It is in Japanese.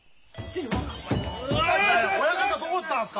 親方どこ行ったんすか？